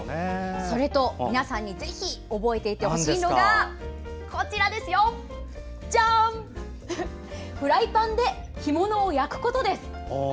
それと、皆さんにぜひ覚えていてほしいのはこちらフライパンで干物を焼くことです。